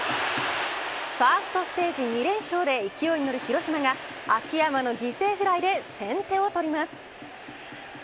ファーストステージ２連勝で勢いに乗る広島が秋山の犠牲フライで先手を取ります。